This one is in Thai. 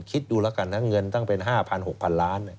คิดดูแล้วกันนะเงินตั้งเป็น๕๐๐๖๐๐๐ล้าน